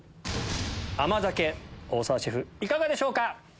大澤シェフいかがでしょうか？